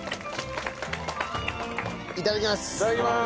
いただきます。